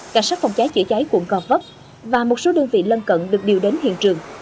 cảnh sát phòng cháy chữa cháy quận gò vấp và một số đơn vị lân cận được điều đến hiện trường